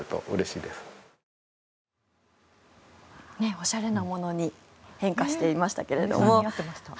おしゃれなものに変化していましたけれども。